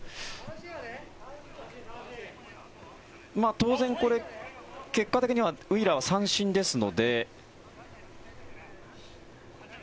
当然、結果的にはウィーラーは三振ですので。